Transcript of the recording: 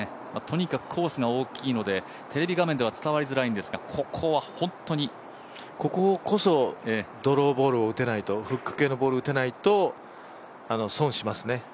とにかくコースが大きいのでテレビ画面では伝わりづらいんですがここは本当にこここそドローボールフック系のボールを打てないと損しますね。